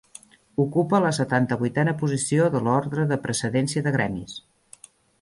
Ocupa la setanta-vuitena posició de l'ordre de precedència de gremis.